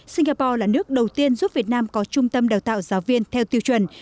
singapore là nước đầu tiên giúp việt nam có trung tâm đào tạo giáo viên theo tiêu chuẩn